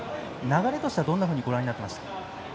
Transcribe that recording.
流れとしてはどんなふうにご覧になっていましたか。